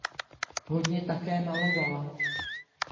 Hodně také malovala.